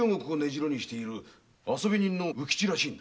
遊び人の卯吉らしいんだ。